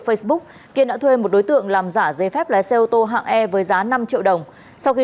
facebook kiên đã thuê một đối tượng làm giả giấy phép lái xe ô tô hạng e với giá năm triệu đồng sau khi